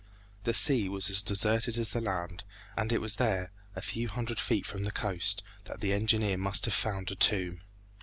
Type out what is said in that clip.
The sea was as deserted as the land, and it was there, a few hundred feet from the coast, that the engineer must have found a tomb.